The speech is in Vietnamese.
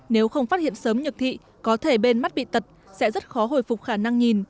nếu không phát hiện sớm nhược thị có thể bên mắt bị tật sẽ rất khó hồi phục khả năng nhìn